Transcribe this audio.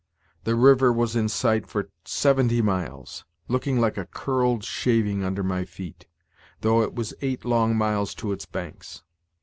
The river was in sight for seventy miles, looking like a curled shaving under my feet, though it was eight long miles to its banks.